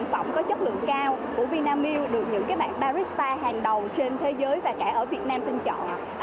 sản phẩm có chất lượng cao của vinamilk được những cái bạn barista hàng đầu trên thế giới và cả ở việt nam tinh chọn